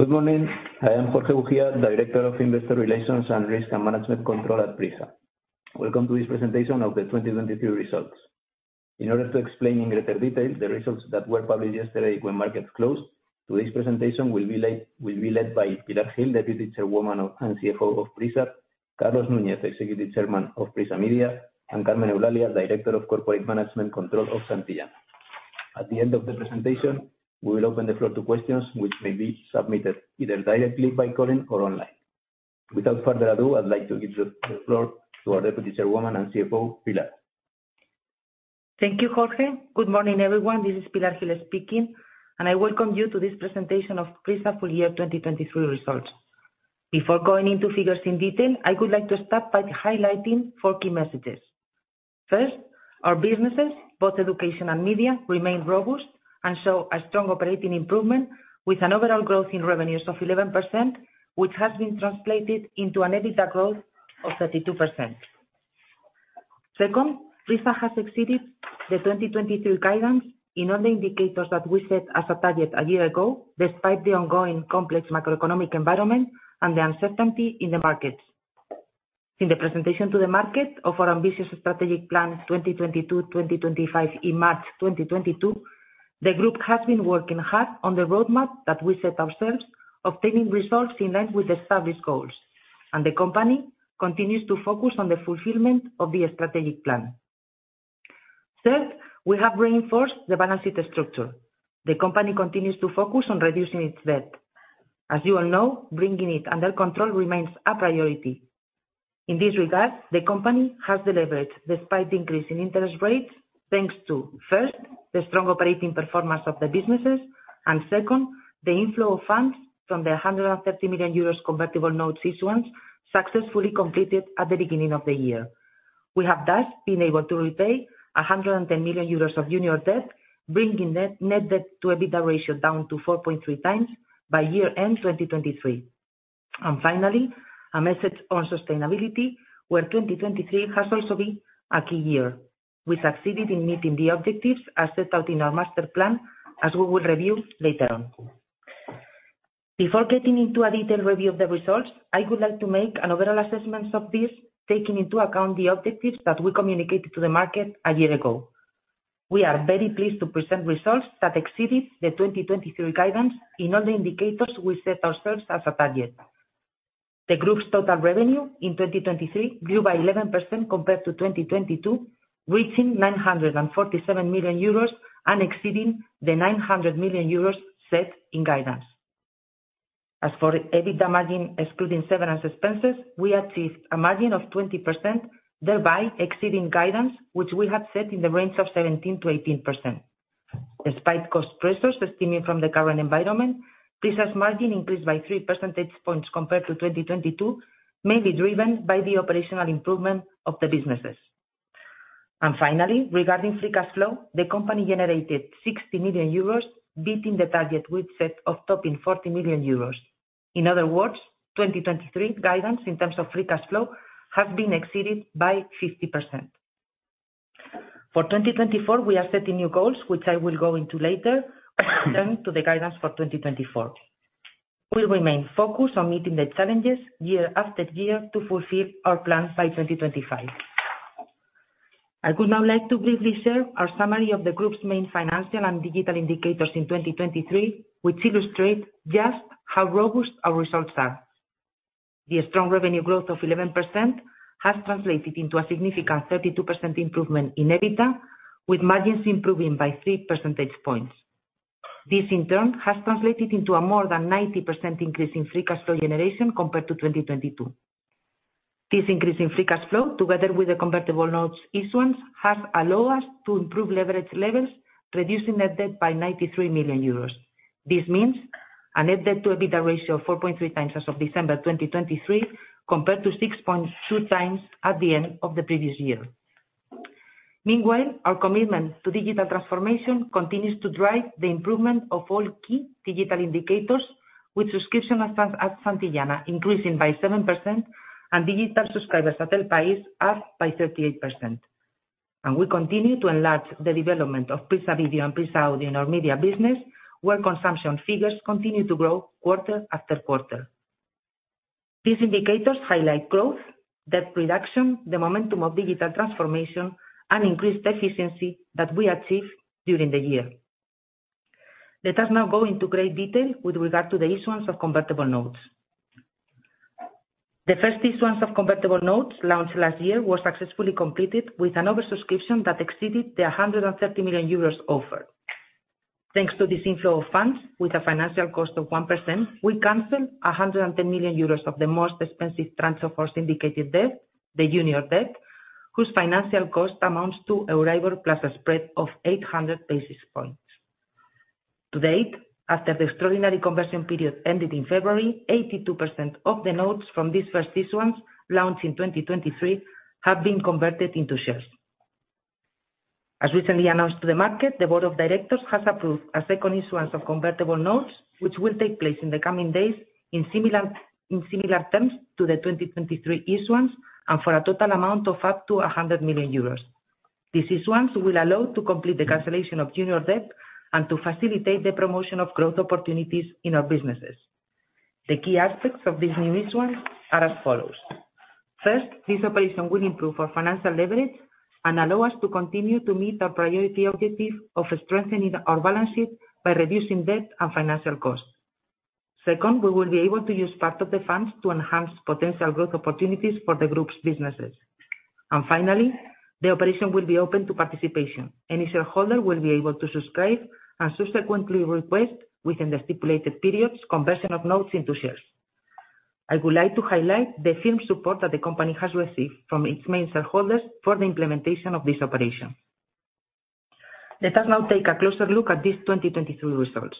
Good morning. I am Jorge Bujía, Director of Investor Relations and Risk and Management Control at PRISA. Welcome to this presentation of the 2023 results. In order to explain in greater detail the results that were published yesterday when markets closed, today's presentation will be led by Pilar Gil, Deputy Chairwoman and CFO of PRISA, Carlos Núñez, Executive Chairman of PRISA Media, and Carmen Eulalia, Director of Corporate Management Control of Santillana. At the end of the presentation, we will open the floor to questions, which may be submitted either directly by calling or online. Without further ado, I'd like to give the floor to our Deputy Chairwoman and CFO, Pilar. Thank you, Jorge. Good morning, ever yone. This is Pilar Gil speaking, and I welcome you to this presentation of PRISA Full Year 2023 Results. Before going into figures in detail, I would like to start by highlighting four key messages. First, our businesses, both education and media, remain robust and show a strong operating improvement with an overall growth in revenues of 11%, which has been translated into an EBITDA growth of 32%. Second, PRISA has exceeded the 2023 guidelines in all the indicators that we set as a target a year ago, despite the ongoing complex macroeconomic environment and the uncertainty in the markets. In the presentation to the market of our ambitious strategic plan 2022-2025 in March 2022, the group has been working hard on the roadmap that we set ourselves, obtaining results in line with the established goals, and the company continues to focus on the fulfillment of the strategic plan. Third, we have reinforced the balanced structure. The company continues to focus on reducing its debt. As you all know, bringing it under control remains a priority. In this regard, the company has delivered, despite the increase in interest rates, thanks to, first, the strong operating performance of the businesses, and second, the inflow of funds from the 130 million euros convertible notes issuance successfully completed at the beginning of the year. We have thus been able to repay 110 million euros of junior debt, bringing net debt to EBITDA ratio down to 4.3 times by year-end 2023. Finally, a message on sustainability, where 2023 has also been a key year. We succeeded in meeting the objectives as set out in our master plan, as we will review later on. Before getting into a detailed review of the results, I would like to make an overall assessment of this, taking into account the objectives that we communicated to the market a year ago. We are very pleased to present results that exceeded the 2023 guidelines in all the indicators we set ourselves as a target. The group's total revenue in 2023 grew by 11% compared to 2022, reaching 947 million euros and exceeding the 900 million euros set in guidance. As for EBITDA margin, excluding severance expenses, we achieved a margin of 20%, thereby exceeding guidance, which we had set in the range of 17%-18%. Despite cost pressures estimated from the current environment, PRISA's margin increased by 3 percentage points compared to 2022, mainly driven by the operational improvement of the businesses. Finally, regarding free cash flow, the company generated 60 million euros, beating the target we'd set of topping 40 million euros. In other words, 2023 guidance in terms of free cash flow has been exceeded by 50%. For 2024, we are setting new goals, which I will go into later, return to the guidance for 2024. We'll remain focused on meeting the challenges year after year to fulfill our plan by 2025. I would now like to briefly share our summary of the group's main financial and digital indicators in 2023, which illustrate just how robust our results are. The strong revenue growth of 11% has translated into a significant 32% improvement in EBITDA, with margins improving by 3 percentage points. This, in turn, has translated into a more than 90% increase in free cash flow generation compared to 2022. This increase in free cash flow, together with the convertible notes issuance, has allowed us to improve leverage levels, reducing net debt by 93 million euros. This means a net debt to EBITDA ratio of 4.3 times as of December 2023, compared to 6.2 times at the end of the previous year. Meanwhile, our commitment to digital transformation continues to drive the improvement of all key digital indicators, with subscription at Santillana increasing by 7% and digital subscribers at El País up by 38%. And we continue to enlarge the development of PRISA Video and PRISA Audio in our media business, where consumption figures continue to grow quarter after quarter. These indicators highlight growth, debt reduction, the momentum of digital transformation, and increased efficiency that we achieved during the year. Let us now go into great detail with regard to the issuance of Convertible Notes. The first issuance of Convertible Notes launched last year was successfully completed with an oversubscription that exceeded the 130 million euros offer. Thanks to this inflow of funds, with a financial cost of 1%, we canceled 110 million euros of the most expensive transferable subordinated debt, the Junior Debt, whose financial cost amounts to EURIBOR plus a spread of 800 basis points. To date, after the extraordinary conversion period ended in February, 82% of the notes from this first issuance launched in 2023 have been converted into shares. As recently announced to the market, the board of directors has approved a second issuance of Convertible Notes, which will take place in the coming days in similar terms to the 2023 issuance and for a total amount of up to 100 million euros. These issuance will allow to complete the cancellation of junior debt and to facilitate the promotion of growth opportunities in our businesses. The key aspects of this new issuance are as follows. First, this operation will improve our financial leverage and allow us to continue to meet our priority objective of strengthening our balance sheet by reducing debt and financial costs. Second, we will be able to use part of the funds to enhance potential growth opportunities for the group's businesses. And finally, the operation will be open to participation. Any shareholder will be able to subscribe and subsequently request, within the stipulated periods, conversion of notes into shares. I would like to highlight the firm support that the company has received from its main shareholders for the implementation of this operation. Let us now take a closer look at these 2023 results.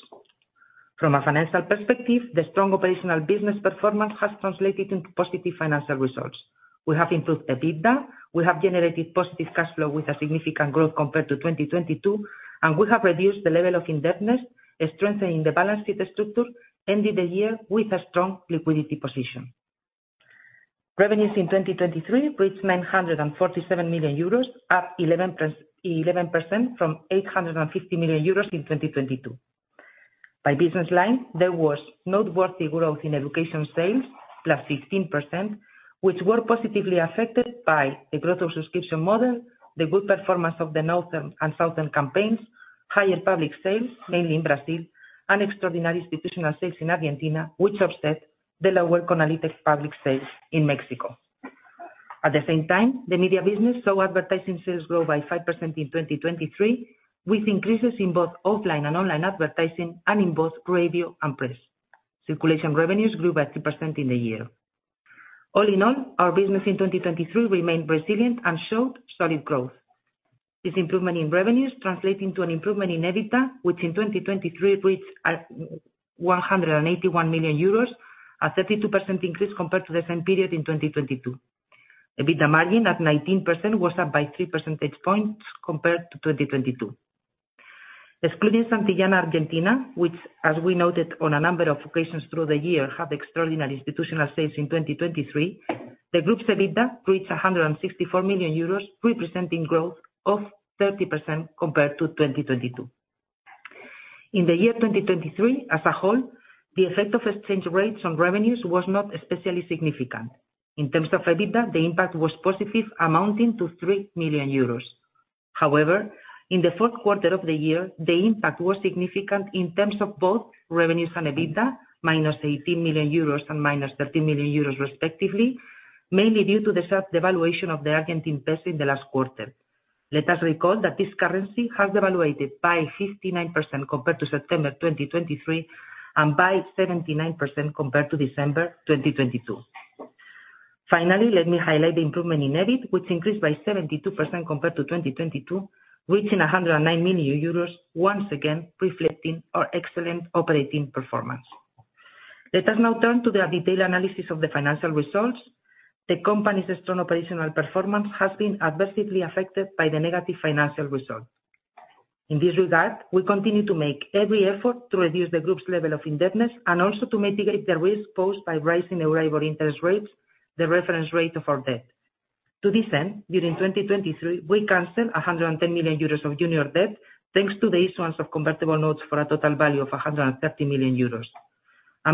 From a financial perspective, the strong operational business performance has translated into positive financial results. We have improved EBITDA, we have generated positive cash flow with a significant growth compared to 2022, and we have reduced the level of indebtedness, strengthening the balance sheet structure, ending the year with a strong liquidity position. Revenues in 2023 reached 947 million euros, up 11% from 850 million euros in 2022. By business line, there was noteworthy growth in education sales, +15%, which were positively affected by the growth of subscription model, the good performance of the northern and southern campaigns, higher public sales, mainly in Brazil, and extraordinary institutional sales in Argentina, which offset the lower CONALITEG public sales in Mexico. At the same time, the media business saw advertising sales grow by 5% in 2023, with increases in both offline and online advertising and in both radio and press. Circulation revenues grew by 3% in the year. All in all, our business in 2023 remained resilient and showed solid growth. This improvement in revenues translated into an improvement in EBITDA, which in 2023 reached 181 million euros, a 32% increase compared to the same period in 2022. EBITDA margin at 19% was up by 3 percentage points compared to 2022. Excluding Santillana Argentina, which, as we noted on a number of occasions throughout the year, had extraordinary institutional sales in 2023, the group's EBITDA reached 164 million euros, representing growth of 30% compared to 2022. In the year 2023 as a whole, the effect of exchange rates on revenues was not especially significant. In terms of EBITDA, the impact was positive, amounting to 3 million euros. However, in the Q4 of the year, the impact was significant in terms of both revenues and EBITDA, minus 18 million euros and minus 13 million euros, respectively, mainly due to the sharp devaluation of the Argentine peso in the last quarter. Let us recall that this currency has devalued by 59% compared to September 2023 and by 79% compared to December 2022. Finally, let me highlight the improvement in EBIT, which increased by 72% compared to 2022, reaching 109 million euros, once again reflecting our excellent operating performance. Let us now turn to the detailed analysis of the financial results. The company's strong operational performance has been adversely affected by the negative financial result. In this regard, we continue to make every effort to reduce the group's level of indebtedness and also to mitigate the risk posed by rising EURIBOR interest rates, the reference rate of our debt. To this end, during 2023, we canceled 110 million euros of junior debt thanks to the issuance of convertible notes for a total value of 130 million euros.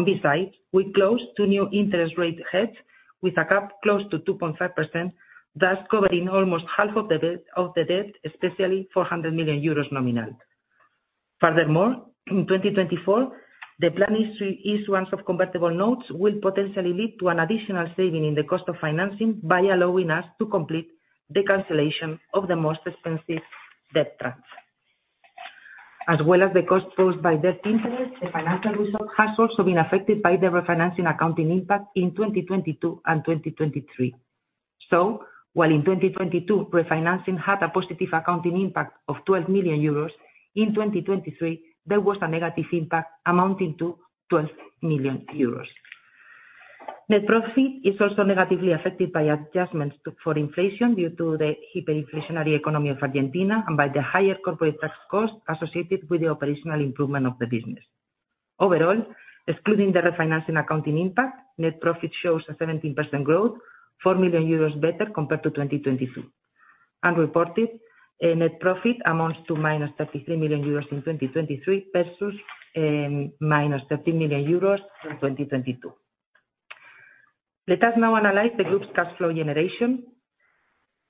Besides, we closed two new interest rate hedges with a cap close to 2.5%, thus covering almost half of the debt, especially 400 million euros nominal. Furthermore, in 2024, the planned issuance of convertible notes will potentially lead to an additional saving in the cost of financing by allowing us to complete the cancellation of the most expensive debt tranche. As well as the cost posed by debt interest, the financial result has also been affected by the refinancing accounting impact in 2022 and 2023. So, while in 2022, refinancing had a positive accounting impact of 12 million euros, in 2023, there was a negative impact amounting to 12 million euros. Net profit is also negatively affected by adjustments for inflation due to the hyperinflationary economy of Argentina and by the higher corporate tax cost associated with the operational improvement of the business. Overall, excluding the refinancing accounting impact, net profit shows a 17% growth, 4 million euros better compared to 2022. Reported net profit amounts to 33 million euros in 2023 versus 13 million euros in 2022. Let us now analyze the group's cash flow generation.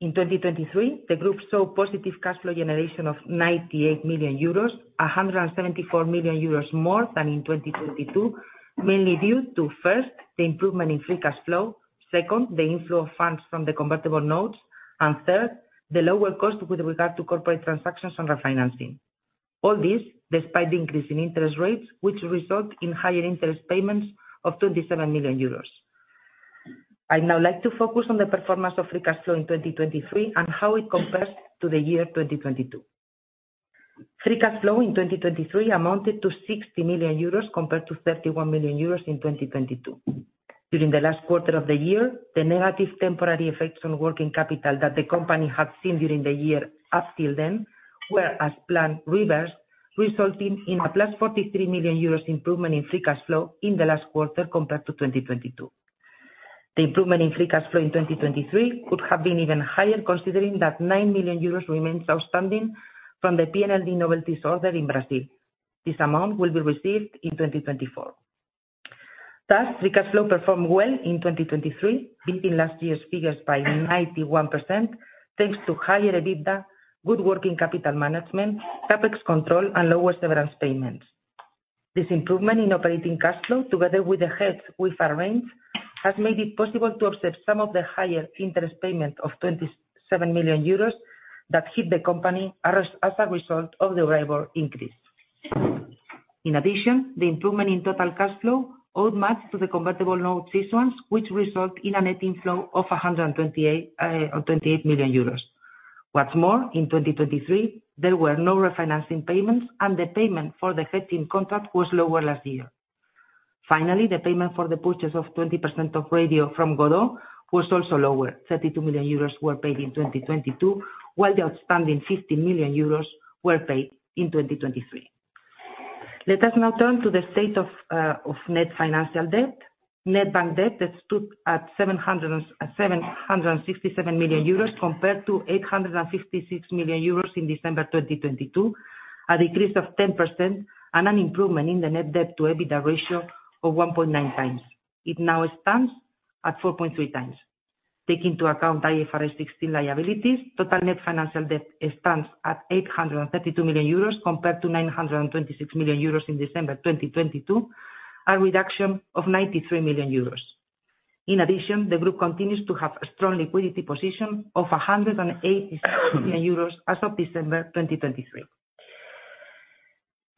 In 2023, the group saw positive cash flow generation of 98 million euros, 174 million euros more than in 2022, mainly due to, first, the improvement in free cash flow, second, the inflow of funds from the convertible notes, and third, the lower cost with regard to corporate transactions and refinancing. All this, despite the increase in interest rates, which resulted in higher interest payments of 27 million euros. I'd now like to focus on the performance of free cash flow in 2023 and how it compares to the year 2022. Free cash flow in 2023 amounted to 60 million euros compared to 31 million euros in 2022. During the last quarter of the year, the negative temporary effects on working capital that the company had seen during the year up till then were, as planned, reversed, resulting in a plus 43 million euros improvement in free cash flow in the last quarter compared to 2022. The improvement in free cash flow in 2023 could have been even higher, considering that 9 million euros remains outstanding from the PNLD Novelty Order in Brazil. This amount will be received in 2024. Thus, free cash flow performed well in 2023, beating last year's figures by 91% thanks to higher EBITDA, good working capital management, CapEx control, and lower severance payments. This improvement in operating cash flow, together with the hedges we've arranged, has made it possible to accept some of the higher interest payments of 27 million euros that hit the company as a result of the EURIBOR increase. In addition, the improvement in total cash flow owed much to the convertible notes issuance, which resulted in a net inflow of 128 million euros. What's more, in 2023, there were no refinancing payments, and the payment for the hedging contract was lower last year. Finally, the payment for the purchase of 20% of radio from Godó was also lower. 32 million euros were paid in 2022, while the outstanding 15 million euros were paid in 2023. Let us now turn to the state of net financial debt. Net bank debt stood at 767 million euros compared to 856 million euros in December 2022, a decrease of 10% and an improvement in the net debt to EBITDA ratio of 1.9 times. It now stands at 4.3 times. Taking into account IFRS 16 liabilities, total net financial debt stands at 832 million euros compared to 926 million euros in December 2022, a reduction of 93 million euros. In addition, the group continues to have a strong liquidity position of 186 million euros as of December 2023.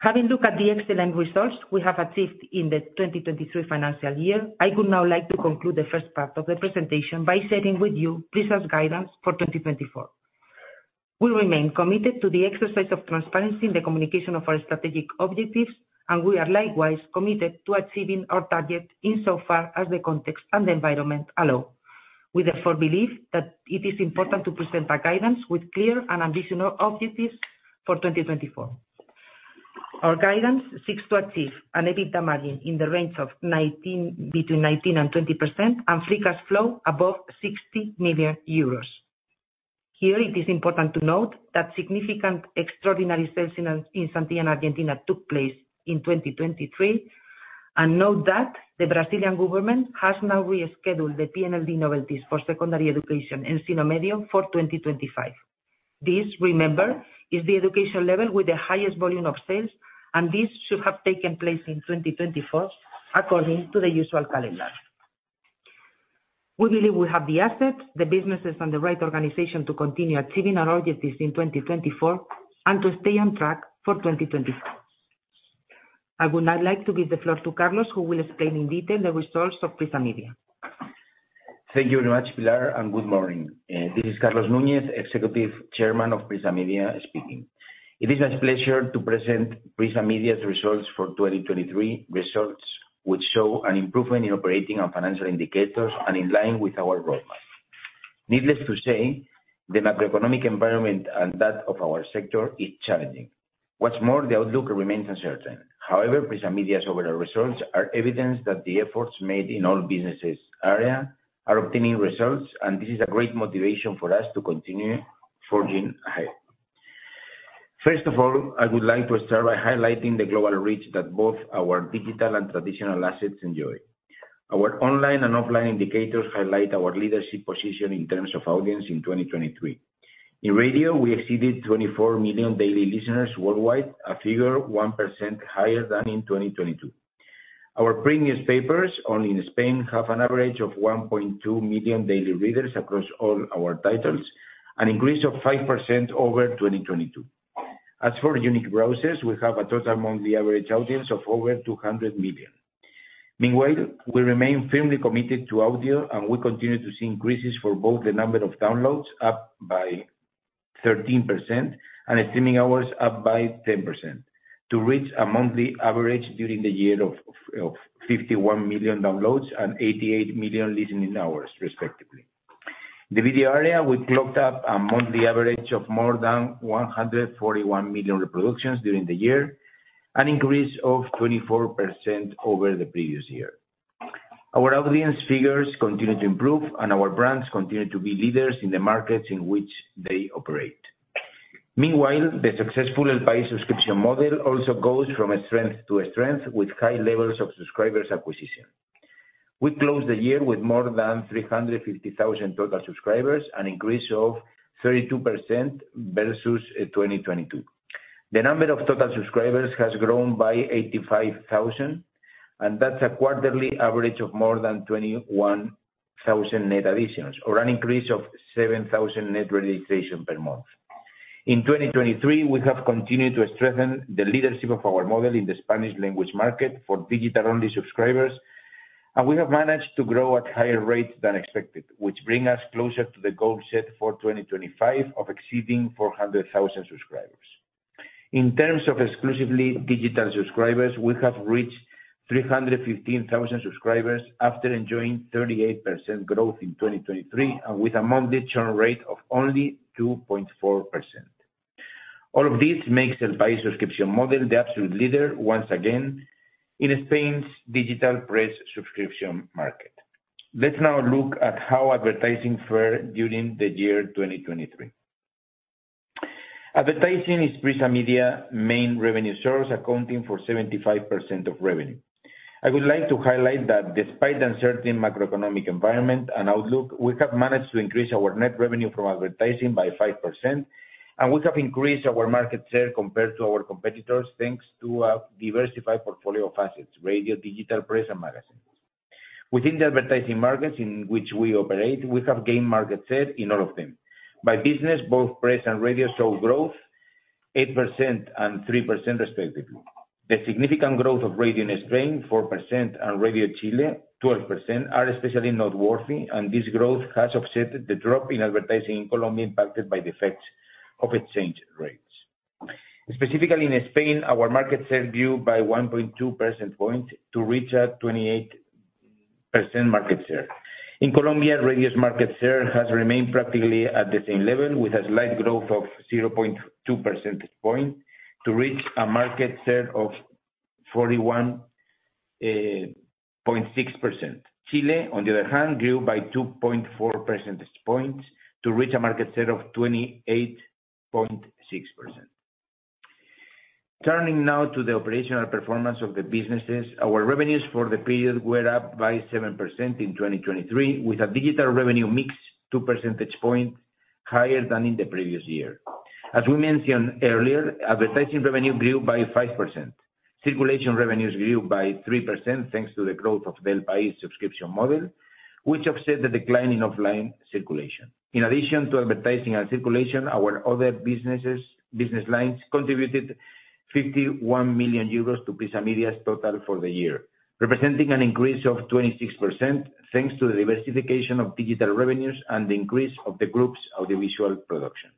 Having looked at the excellent results we have achieved in the 2023 financial year, I would now like to conclude the first part of the presentation by sharing with you PRISA's guidance for 2024. We remain committed to the exercise of transparency in the communication of our strategic objectives, and we are likewise committed to achieving our target insofar as the context and the environment allow, with the firm belief that it is important to present our guidance with clear and ambitious objectives for 2024. Our guidance seeks to achieve an EBITDA margin in the range between 19%-20% and free cash flow above 60 million euros. Here, it is important to note that significant extraordinary sales in Santillana Argentina took place in 2023, and note that the Brazilian government has now rescheduled the PNLD Novelty for Secondary Education and Ensino Médio for 2025. This, remember, is the education level with the highest volume of sales, and this should have taken place in 2024 according to the usual calendar. We believe we have the assets, the businesses, and the right organization to continue achieving our objectives in 2024 and to stay on track for 2024. I would now like to give the floor to Carlos, who will explain in detail the results of PRISA Media. Thank you very much, Pilar, and good morning. This is Carlos Núñez, Executive Chairman of PRISA Media, speaking. It is my pleasure to present PRISA Media's results for 2023, results which show an improvement in operating and financial indicators and in line with our roadmap. Needless to say, the macroeconomic environment and that of our sector is challenging. What's more, the outlook remains uncertain. However, PRISA Media's overall results are evidence that the efforts made in all businesses' areas are obtaining results, and this is a great motivation for us to continue forging ahead. First of all, I would like to start by highlighting the global reach that both our digital and traditional assets enjoy. Our online and offline indicators highlight our leadership position in terms of audience in 2023. In radio, we exceeded 24 million daily listeners worldwide, a figure 1% higher than in 2022. Our print newspapers, only in Spain, have an average of 1.2 million daily readers across all our titles, an increase of 5% over 2022. As for unique browsers, we have a total monthly average audience of over 200 million. Meanwhile, we remain firmly committed to audio, and we continue to see increases for both the number of downloads, up by 13%, and streaming hours, up by 10%, to reach a monthly average during the year of 51 million downloads and 88 million listening hours, respectively. In the video area, we've clocked up a monthly average of more than 141 million reproductions during the year, an increase of 24% over the previous year. Our audience figures continue to improve, and our brands continue to be leaders in the markets in which they operate. Meanwhile, the successful El País subscription model also goes from strength to strength with high levels of subscriber acquisition. We closed the year with more than 350,000 total subscribers, an increase of 32% versus 2022. The number of total subscribers has grown by 85,000, and that's a quarterly average of more than 21,000 net additions or an increase of 7,000 net registrations per month. In 2023, we have continued to strengthen the leadership of our model in the Spanish language market for digital-only subscribers, and we have managed to grow at higher rates than expected, which brings us closer to the goal set for 2025 of exceeding 400,000 subscribers. In terms of exclusively digital subscribers, we have reached 315,000 subscribers after enjoying 38% growth in 2023 and with a monthly churn rate of only 2.4%. All of this makes the paid subscription model the absolute leader, once again, in Spain's digital press subscription market. Let's now look at how advertising fared during the year 2023. Advertising is PRISA Media's main revenue source, accounting for 75% of revenue. I would like to highlight that despite the uncertain macroeconomic environment and outlook, we have managed to increase our net revenue from advertising by 5%, and we have increased our market share compared to our competitors thanks to a diversified portfolio of assets: radio, digital press, and magazines. Within the advertising markets in which we operate, we have gained market share in all of them. By business, both press and radio show growth, 8% and 3%, respectively. The significant growth of radio in Spain, 4%, and radio in Chile, 12%, are especially noteworthy, and this growth has offset the drop in advertising in Colombia impacted by the effects of exchange rates. Specifically in Spain, our market share grew by 1.2 percentage points to reach a 28% market share. In Colombia, radio's market share has remained practically at the same level, with a slight growth of 0.2 percentage points to reach a market share of 41.6%. Chile, on the other hand, grew by 2.4 percentage points to reach a market share of 28.6%. Turning now to the operational performance of the businesses, our revenues for the period were up by 7% in 2023, with a digital revenue mix 2 percentage points higher than in the previous year. As we mentioned earlier, advertising revenue grew by 5%. Circulation revenues grew by 3% thanks to the growth of the El País subscription model, which offset the decline in offline circulation. In addition to advertising and circulation, our other business lines contributed 51 million euros to PRISA Media's total for the year, representing an increase of 26% thanks to the diversification of digital revenues and the increase of the group's audiovisual production.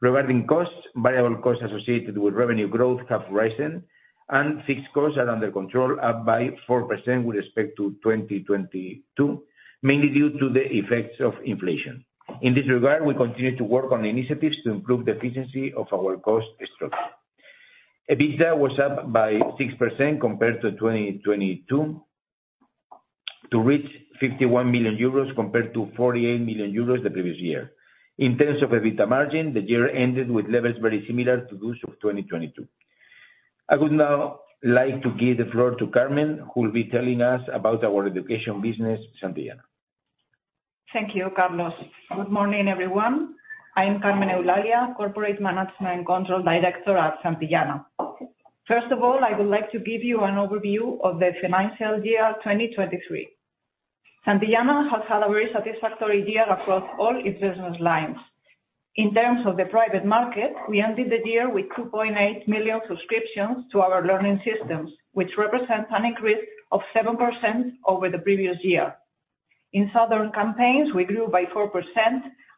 Regarding costs, variable costs associated with revenue growth have risen, and fixed costs are under control, up by 4% with respect to 2022, mainly due to the effects of inflation. In this regard, we continue to work on initiatives to improve the efficiency of our cost structure. EBITDA was up by 6% compared to 2022 to reach 51 million euros compared to 48 million euros the previous year. In terms of EBITDA margin, the year ended with levels very similar to those of 2022. I would now like to give the floor to Carmen, who will be telling us about our education business, Santillana. Thank you, Carlos. Good morning, everyone. I'm Carmen Eulalia, Corporate Management Control Director at Santillana. First of all, I would like to give you an overview of the financial year 2023. Santillana has had a very satisfactory year across all its business lines. In terms of the private market, we ended the year with 2.8 million subscriptions to our learning systems, which represent an increase of 7% over the previous year. In southern campaigns, we grew by 4%,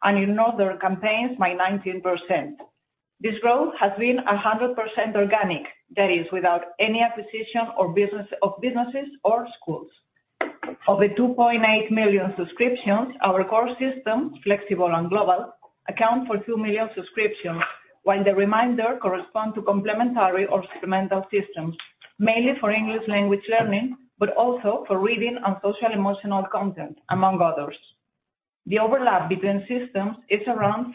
and in northern campaigns, by 19%. This growth has been 100% organic, that is, without any acquisition of businesses or schools. Of the 2.8 million subscriptions, our core system, flexible and global, account for 2 million subscriptions, while the remainder correspond to complementary or supplemental systems, mainly for English language learning, but also for reading and social-emotional content, among others. The overlap between systems is around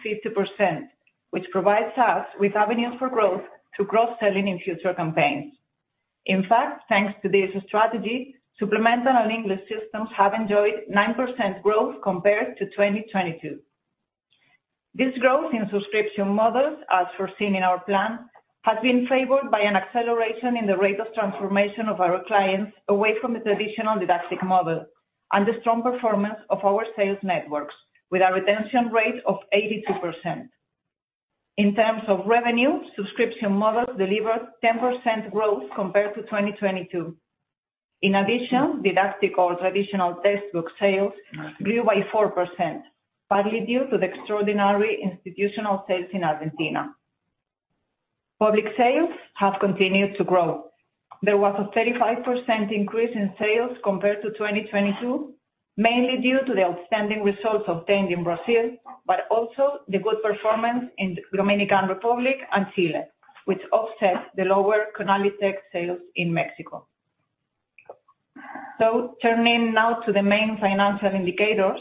50%, which provides us with avenues for growth through cross-selling in future campaigns. In fact, thanks to this strategy, supplemental and English systems have enjoyed 9% growth compared to 2022. This growth in subscription models, as foreseen in our plan, has been favored by an acceleration in the rate of transformation of our clients away from the traditional didactic model and the strong performance of our sales networks, with a retention rate of 82%. In terms of revenue, subscription models delivered 10% growth compared to 2022. In addition, didactic or traditional textbook sales grew by 4%, partly due to the extraordinary institutional sales in Argentina. Public sales have continued to grow. There was a 35% increase in sales compared to 2022, mainly due to the outstanding results obtained in Brazil, but also the good performance in the Dominican Republic and Chile, which offset the lower CONALITEG sales in Mexico. Turning now to the main financial indicators,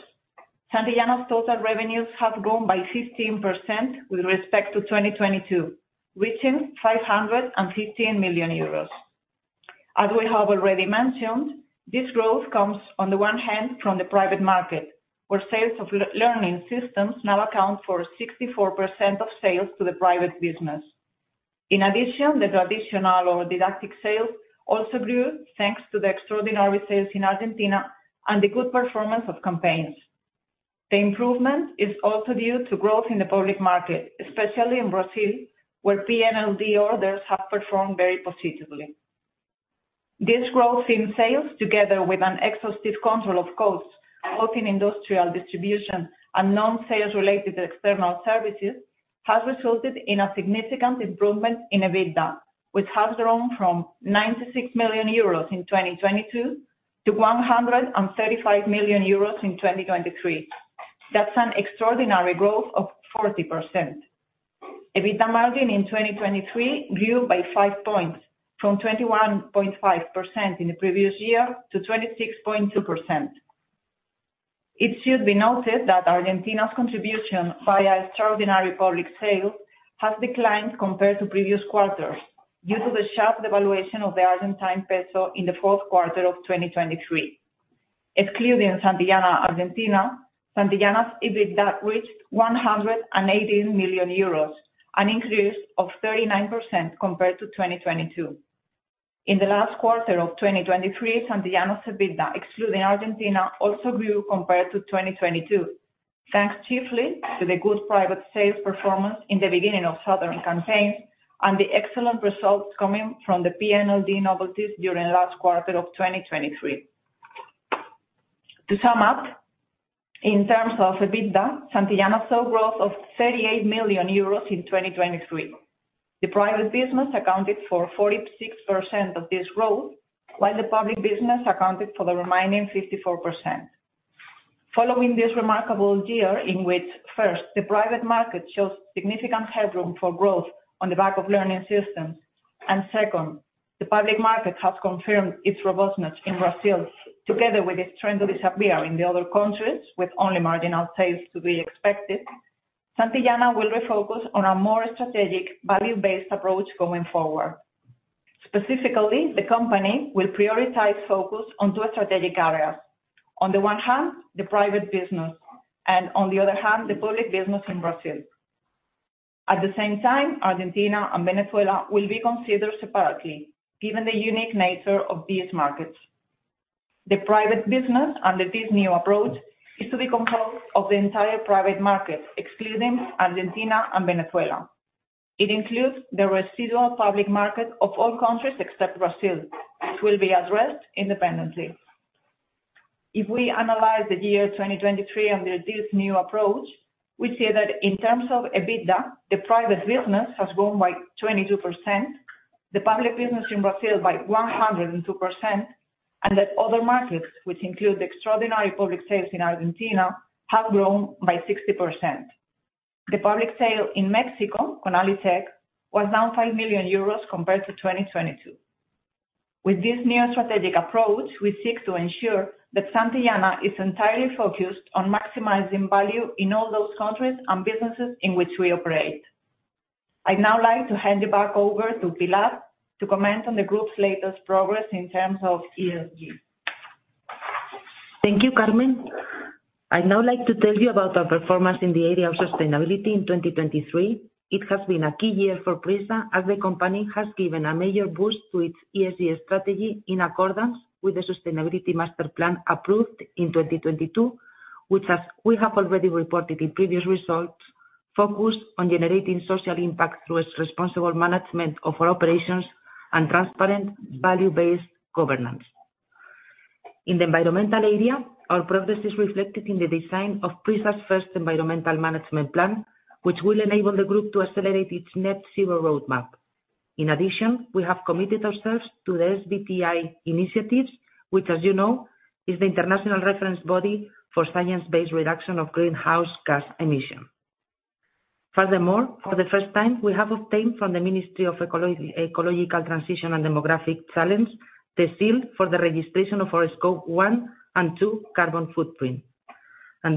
Santillana's total revenues have grown by 15% with respect to 2022, reaching 515 million euros. As we have already mentioned, this growth comes, on the one hand, from the private market, where sales of learning systems now account for 64% of sales to the private business. In addition, the traditional or didactic sales also grew thanks to the extraordinary sales in Argentina and the good performance of campaigns. The improvement is also due to growth in the public market, especially in Brazil, where PNLD orders have performed very positively. This growth in sales, together with an exhaustive control of costs, both in industrial distribution and non-sales-related external services, has resulted in a significant improvement in EBITDA, which has grown from 96 million euros in 2022 to 135 million euros in 2023. That's an extraordinary growth of 40%. EBITDA margin in 2023 grew by five points, from 21.5% in the previous year to 26.2%. It should be noted that Argentina's contribution via extraordinary public sales has declined compared to previous quarters due to the sharp devaluation of the Argentine peso in the Q4 of 2023. Excluding Santillana Argentina, Santillana's EBITDA reached 118 million euros, an increase of 39% compared to 2022. In the last quarter of 2023, Santillana's EBITDA, excluding Argentina, also grew compared to 2022, thanks chiefly to the good private sales performance in the beginning of southern campaigns and the excellent results coming from the PNLD Novelty during the last quarter of 2023. To sum up, in terms of EBITDA, Santillana saw growth of 38 million euros in 2023. The private business accounted for 46% of this growth, while the public business accounted for the remaining 54%. Following this remarkable year in which, first, the private market shows significant headroom for growth on the back of learning systems, and second, the public market has confirmed its robustness in Brazil, together with the strength of this area in the other countries, with only marginal sales to be expected, Santillana will refocus on a more strategic, value-based approach going forward. Specifically, the company will prioritize focus on two strategic areas. On the one hand, the private business, and on the other hand, the public business in Brazil. At the same time, Argentina and Venezuela will be considered separately, given the unique nature of these markets. The private business under this new approach is to be composed of the entire private market, excluding Argentina and Venezuela. It includes the residual public market of all countries except Brazil, which will be addressed independently. If we analyze the year 2023 under this new approach, we see that in terms of EBITDA, the private business has grown by 22%, the public business in Brazil by 102%, and that other markets, which include the extraordinary public sales in Argentina, have grown by 60%. The public sale in Mexico, CONALITEG, was down 5 million euros compared to 2022. With this new strategic approach, we seek to ensure that Santillana is entirely focused on maximizing value in all those countries and businesses in which we operate. I'd now like to hand you back over to Pilar to comment on the group's latest progress in terms of ESG. Thank you, Carmen. I'd now like to tell you about our performance in the area of sustainability in 2023. It has been a key year for PRISA, as the company has given a major boost to its ESG strategy in accordance with the Sustainability Masterplan approved in 2022, which, as we have already reported in previous results, focuses on generating social impact through responsible management of our operations and transparent, value-based governance. In the environmental area, our progress is reflected in the design of PRISA's first environmental management plan, which will enable the group to accelerate its net-zero roadmap. In addition, we have committed ourselves to the SBTi initiatives, which, as you know, is the international reference body for science-based reduction of greenhouse gas emissions. Furthermore, for the first time, we have obtained from the Ministry of Ecological Transition and Demographic Challenge the seal for the registration of our Scope one and two carbon footprint.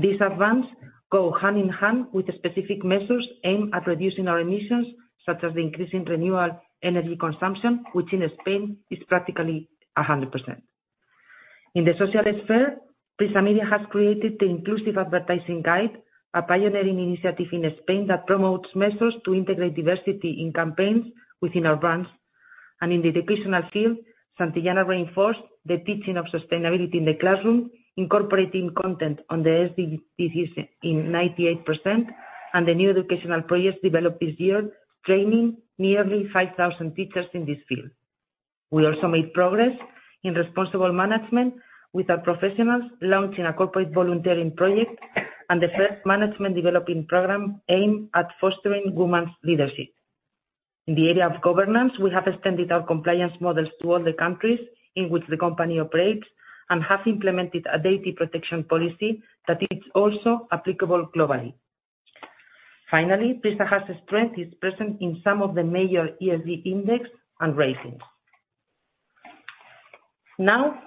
These advances go hand in hand with specific measures aimed at reducing our emissions, such as the increasing renewable energy consumption, which in Spain is practically 100%. In the social sphere, PRISA Media has created the Inclusive Advertising Guide, a pioneering initiative in Spain that promotes measures to integrate diversity in campaigns within our brands. In the educational field, Santillana reinforced the teaching of sustainability in the classroom, incorporating content on the SDGs in 98%, and the new educational project developed this year, training nearly 5,000 teachers in this field. We also made progress in responsible management with our professionals, launching a corporate volunteering project and the first management developing program aimed at fostering women's leadership. In the area of governance, we have extended our compliance models to all the countries in which the company operates and have implemented a data protection policy that is also applicable globally. Finally, PRISA has a strength that is present in some of the major ESG index and ratings. Now,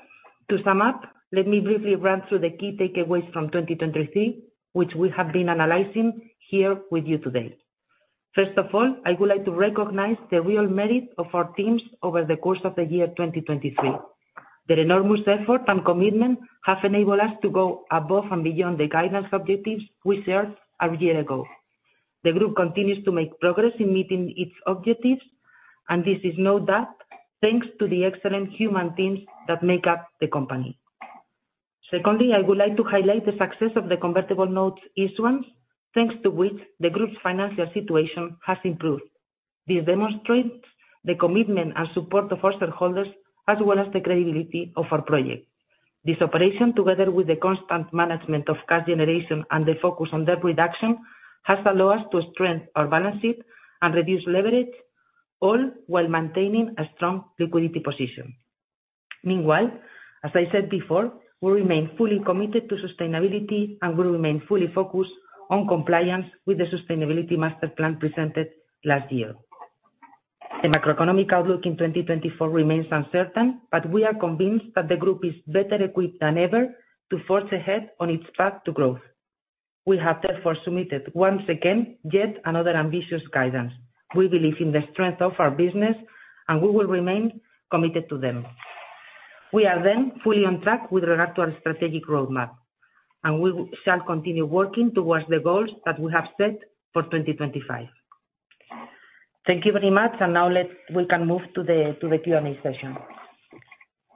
to sum up, let me briefly run through the key takeaways from 2023, which we have been analyzing here with you today. First of all, I would like to recognize the real merit of our teams over the course of the year 2023. Their enormous effort and commitment have enabled us to go above and beyond the guidance objectives we set a year ago. The group continues to make progress in meeting its objectives, and this is no doubt thanks to the excellent human teams that make up the company. Secondly, I would like to highlight the success of the convertible notes issuance, thanks to which the group's financial situation has improved. This demonstrates the commitment and support of our shareholders, as well as the credibility of our project. This operation, together with the constant management of cash generation and the focus on debt reduction, has allowed us to strengthen our balance sheet and reduce leverage, all while maintaining a strong liquidity position. Meanwhile, as I said before, we remain fully committed to sustainability and will remain fully focused on compliance with the Sustainability Masterplan presented last year. The macroeconomic outlook in 2024 remains uncertain, but we are convinced that the group is better equipped than ever to forge ahead on its path to growth. We have, therefore, submitted once again yet another ambitious guidance. We believe in the strength of our business, and we will remain committed to them. We are then fully on track with regard to our strategic roadmap, and we shall continue working towards the goals that we have set for 2025. Thank you very much, and now we can move to the Q&A session.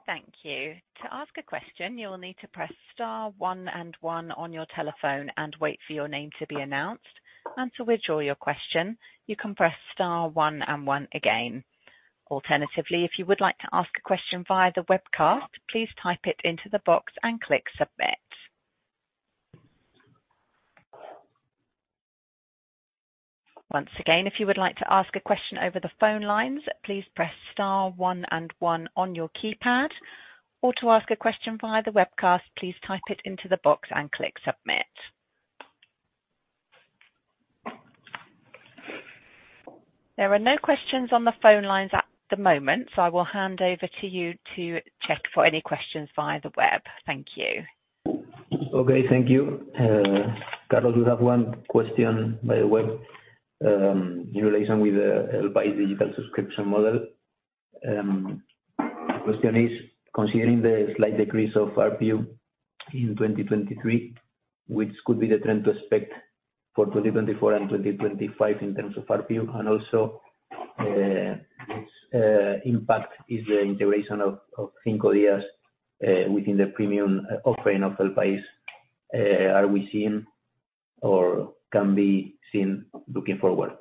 Thank you. To ask a question, you will need to press star one and one on your telephone and wait for your name to be announced. To withdraw your question, you can press star one and one again. Alternatively, if you would like to ask a question via the webcast, please type it into the box and click submit. Once again, if you would like to ask a question over the phone lines, please press star one and one on your keypad. To ask a question via the webcast, please type it into the box and click submit. There are no questions on the phone lines at the moment. I will hand over to you to check for any questions via the web. Thank you. Okay, thank you. Carlos, we have one question by the web in relation with the El País Digital Subscription Model. The question is, considering the slight decrease of RPU in 2023, which could be the trend to expect for 2024 and 2025 in terms of RPU, and also what impact is the integration of Cinco Días within the premium offering of El País are we seeing or can be seen looking forward?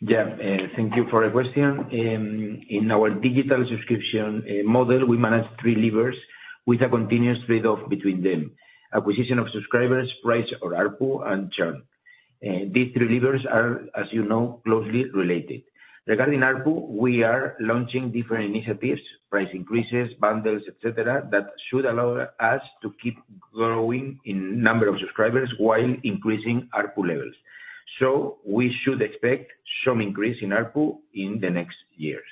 Yeah, thank you for the question. In our digital subscription model, we manage three levers with a continuous trade-off between them: acquisition of subscribers, price or ARPU, and churn. These three levers are, as you know, closely related. Regarding ARPU, we are launching different initiatives, price increases, bundles, etc., that should allow us to keep growing in number of subscribers while increasing ARPU levels. So we should expect some increase in ARPU in the next years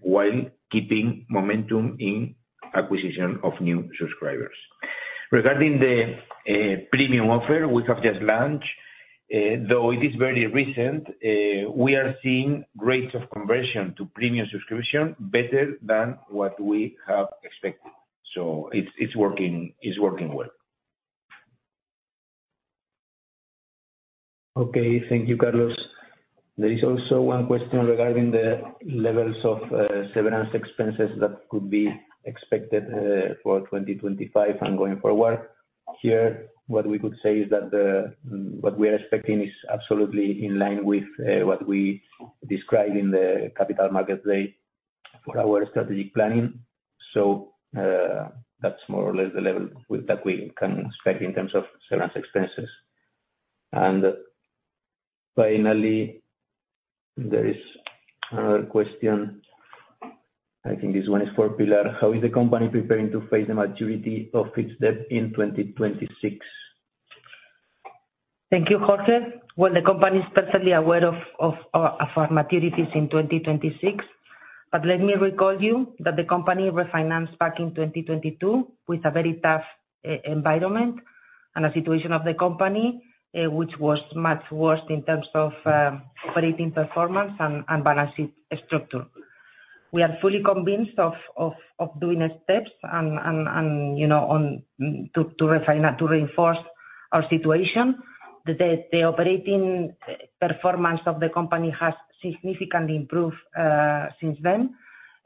while keeping momentum in acquisition of new subscribers. Regarding the premium offer we have just launched, though it is very recent, we are seeing rates of conversion to premium subscription better than what we have expected. So it's working well. Okay, thank you, Carlos. There is also one question regarding the levels of severance expenses that could be expected for 2025 and going forward. Here, what we could say is that what we are expecting is absolutely in line with what we described in the Capital Markets Day for our strategic planning. So that's more or less the level that we can expect in terms of severance expenses. And finally, there is another question. I think this one is for Pilar. How is the company preparing to face the maturity of its debt in 2026? Thank you, Jorge. Well, the company is perfectly aware of our maturities in 2026, but let me recall you that the company refinanced back in 2022 with a very tough environment and a situation of the company, which was much worse in terms of operating performance and balance sheet structure. We are fully convinced of doing steps to reinforce our situation. The operating performance of the company has significantly improved since then.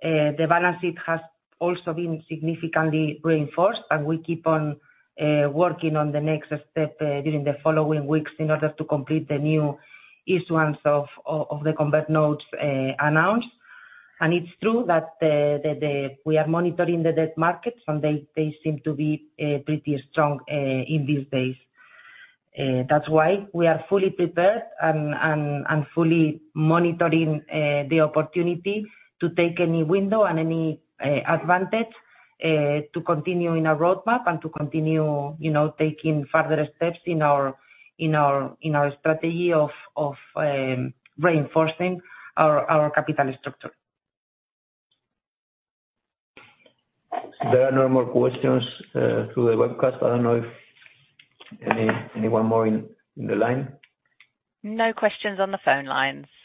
The balance sheet has also been significantly reinforced, and we keep on working on the next step during the following weeks in order to complete the new issuance of the convertible notes announced. And it's true that we are monitoring the debt markets, and they seem to be pretty strong in these days. That's why we are fully prepared and fully monitoring the opportunity to take any window and any advantage to continue in our roadmap and to continue taking further steps in our strategy of reinforcing our capital structure. There are no more questions through the webcast. I don't know if anyone more in the line. No questions on the phone lines.